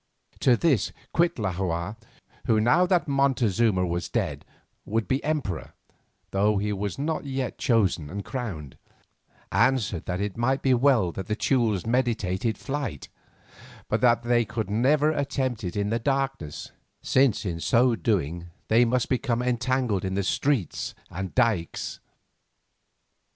To this Cuitlahua, who now that Montezuma was dead would be emperor, though he was not yet chosen and crowned, answered that it might well be that the Teules meditated flight, but that they could never attempt it in the darkness, since in so doing they must become entangled in the streets and dykes.